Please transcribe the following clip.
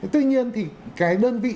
tuy nhiên thì cái đơn vị